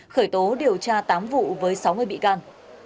khởi tố điều tra tám vụ với sáu mươi bị can